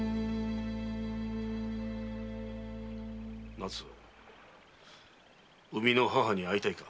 奈津生みの母に会いたいか？